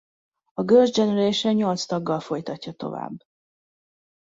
A Girls’ Generation nyolc taggal folytatja tovább.